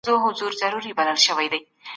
اسلام د شخصي ملکیت مخالف نه دی.